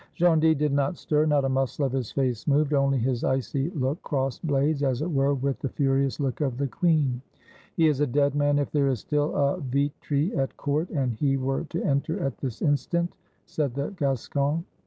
Gondy did not stir, not a muscle of his face moved; only his icy look crossed blades, as it were, with the furious look of the queen. "He is a dead man, if there is still a Vitry at court, and he were to enter at this instant," said the Gascon.